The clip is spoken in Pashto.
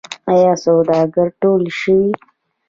آیا سوالګر ټول شوي؟